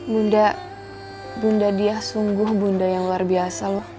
bunda bunda dia sungguh bunda yang luar biasa loh